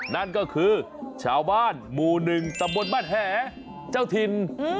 นั่นก็คือชาวบ้านมูหนึ่งตะบดมัดแหแชลดิน